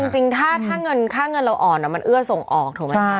จริงถ้าเงินค่าเงินเราอ่อนมันเอื้อส่งออกถูกไหมคะ